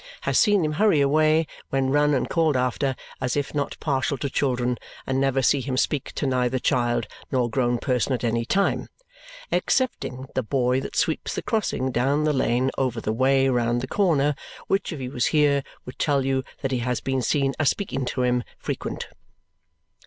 Has seen him hurry away when run and called after as if not partial to children and never see him speak to neither child nor grown person at any time (excepting the boy that sweeps the crossing down the lane over the way round the corner which if he was here would tell you that he has been seen a speaking to him frequent).